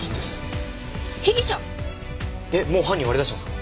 えっもう犯人割り出したんですか？